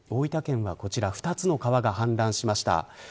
こちら２つの川が氾濫しました。